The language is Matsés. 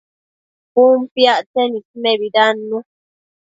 Cun piactsen ismebidannu